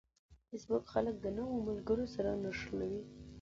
فېسبوک خلک د نوو ملګرو سره نښلوي